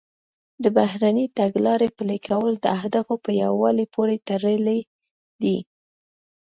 د بهرنۍ تګلارې پلي کول د اهدافو په یووالي پورې تړلي دي